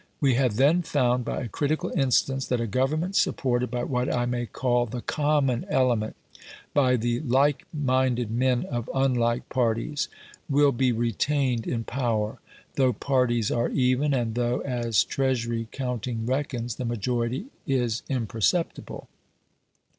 We have then found by a critical instance that a government supported by what I may call "the common element" by the like minded men of unlike parties will be retained in power, though parties are even, and though, as Treasury counting reckons, the majority is imperceptible.